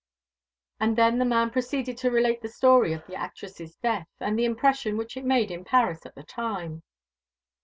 And then the man proceeded to relate the story of the actress's death, and the impression which it made in Paris at the time.